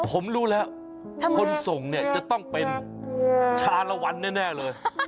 ผมรู้แล้วคนส่งเนี่ยจะต้องเป็นชาลวันแน่เลย